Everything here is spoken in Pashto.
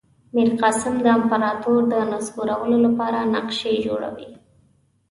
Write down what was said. میرقاسم د امپراطور د نسکورولو لپاره نقشې جوړوي.